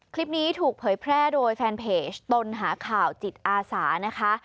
คลิปนี้ถูกเผยแพร่โดยแฟนเพจตนหาข่าวจิตอาสานะคะ